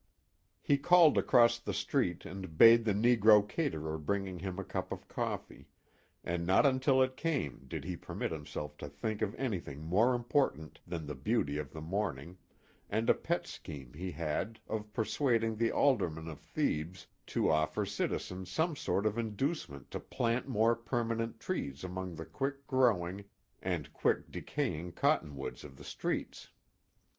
He called across the street and bade the negro caterer bring him a cup of coffee, and not until it came did he permit himself to think of anything more important than the beauty of the morning, and a pet scheme he had of persuading the aldermen of Thebes to offer citizens some sort of inducement to plant more permanent trees among the quick growing and quick decaying cotton woods of the streets.